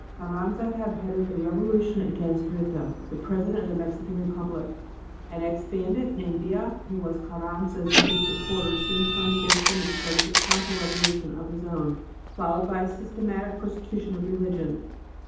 Carranza had headed a revolution against Huerta, the president of the Mexican Republic, An ex bandit named Villa, who was Carranza's chief supporter, soon turned against him and started a counter revolution of his own, followed by a systematic persecution of religion.